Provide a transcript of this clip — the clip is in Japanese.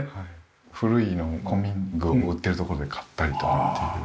古いのを古民具を売ってるとこで買ったりとかっていう感じで。